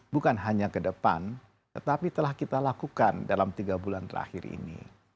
bukan hanya ke depan tetapi telah kita lakukan dalam tiga bulan terakhir ini